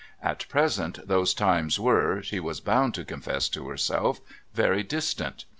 At present those times were, she was bound to confess to herself, very distant.